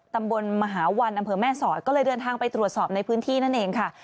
ตำบลมหาวันอำเภอแม่สอดก็เลยเดินทางไปตรวจสอบในพื้นที่นั่นเองค่ะ